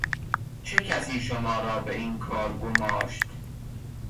چه کسی شما را به این کار گماشت؟